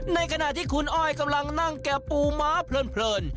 ในขณะที่คุณอ้อยกำลังนั่งแก่ปูม้าเพลิน